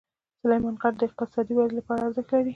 سلیمان غر د اقتصادي ودې لپاره ارزښت لري.